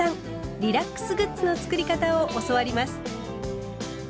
リラックスグッズの作り方を教わります。